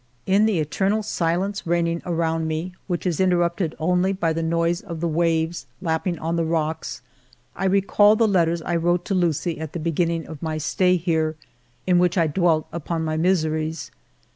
In the eternal silence reigning around me, which is interrupted only by the noise of the 132 FIVE YEARS OF MY LIFE waves lapping on the rocks, I recall the letters I wrote to Lucie at the beginning of my stay here, in which I dwelt upon my miseries.